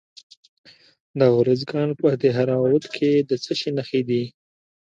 د ارزګان په دهراوود کې د څه شي نښې دي؟